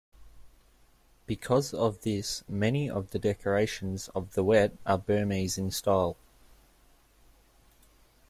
Because of this many of the decorations of the wat are Burmese in style.